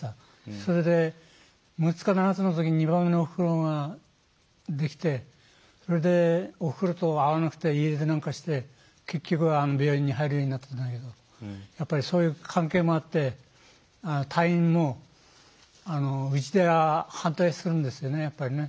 それで６つか７つのときに２番目のおふくろができてそれでおふくろと合わなくて家出なんかして結局は病院に入るようになったんだけどやっぱりそういう関係もあって退院もうちで反対するんですよねやっぱり。